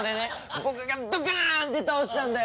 僕がドカーン！って倒したんだよ。